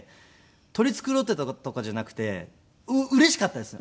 取り繕っていたとかじゃなくてうれしかったですね